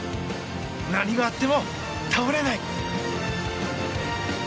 何があっても倒れない。